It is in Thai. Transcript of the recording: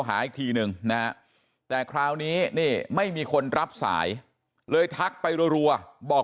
หาอีกทีนึงนะแต่คราวนี้นี่ไม่มีคนรับสายเลยทักไปรัวบอก